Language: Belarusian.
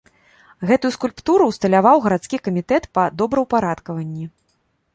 Гэтую скульптуру ўсталяваў гарадскі камітэт па добраўпарадкаванні.